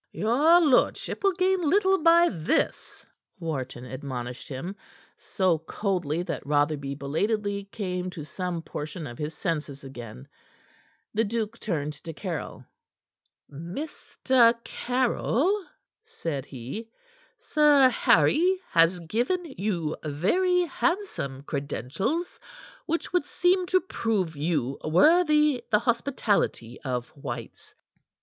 "Your lordship will gain little by this," Wharton admonished him, so coldly that Rotherby belatedly came to some portion of his senses again. The duke turned to Caryll. "Mr. Caryll," said he, "Sir Harry has given you very handsome credentials, which would seem to prove you worthy the hospitality of White's.